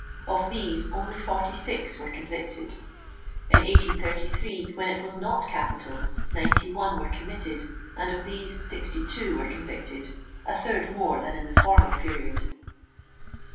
Of these, only forty six were convicted. In 18Sd, when it was not capital, ninety«one were committed* and of these, sixty two were convicted; — a third more than in the former period.